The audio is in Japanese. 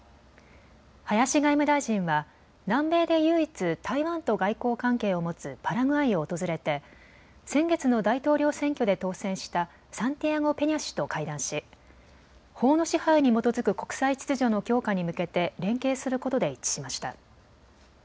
林外務大臣は南米で唯一、台湾と外交関係を持つパラグアイを訪れて先月の大統領選挙で当選したサンティアゴ・ペニャ氏と会談し法の支配に基づく国際秩序の強化に向けて連携することで一致しました。